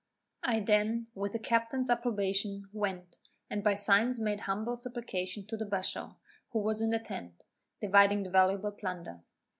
I then, with the captain's approbation, went, and by signs made humble supplication to the bashaw, who was in the tent, dividing the valuable plunder.